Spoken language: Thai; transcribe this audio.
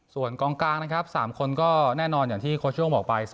ส่วนกองกลางนะครับ๓คนก็แน่นอนอย่างที่โค้ชโย่งบอกไป